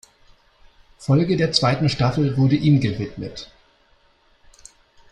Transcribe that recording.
Folge der zweiten Staffel wurde ihm gewidmet.